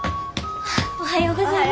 おはようございます。